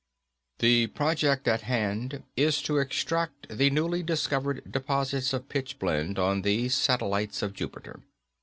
_The project at hand is to extract the newly discovered deposits of pitchblende on these satellites of Jupiter.